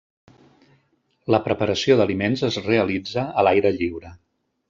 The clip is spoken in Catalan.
La preparació d'aliments es realitza a l'aire lliure.